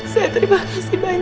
saya terima kasih banyaknya